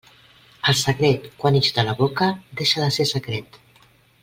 El secret, quan ix de la boca, deixa de ser secret.